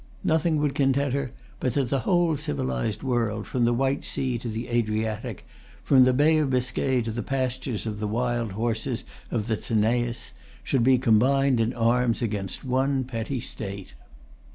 Nothing would content her but that the whole civilized world, from the White Sea to the Adriatic, from the Bay of Biscay to the pastures of the wild horses of the Tanais, should be combined in arms against one petty state.